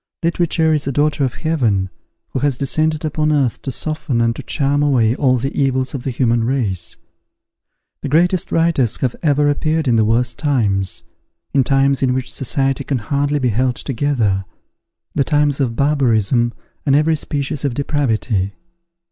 Literature is a daughter of Heaven who has descended upon earth to soften and to charm away all the evils of the human race. The greatest writers have ever appeared in the worst times, in times in which society can hardly be held together, the times of barbarism and every species of depravity.